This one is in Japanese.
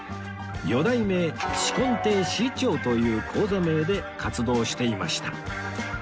「四代目紫紺亭志い朝」という高座名で活動していました